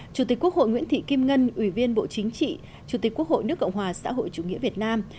chủ tịch quốc hội nguyễn thị kim ngân ủy viên bộ chính trị chủ tịch quốc hội nước cộng hòa xã hội chủ nghĩa việt nam